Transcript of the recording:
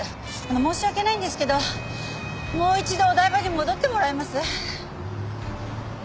あの申し訳ないんですけどもう一度お台場に戻ってもらえます？